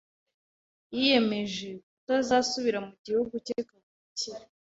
[S] Yiyemeje kutazasubira mu gihugu cye kavukire.